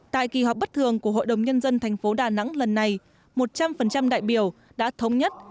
tại kỳ họp bất thường của hội đồng nhân dân thành phố đà nẵng lần này một trăm linh đại biểu đã thống nhất